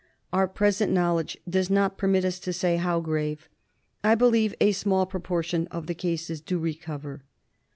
Our present knowledge does not permit us to say how grave. I believe a small proportion of the cases do recover.